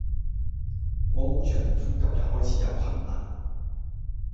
我好像連呼吸也開始有困難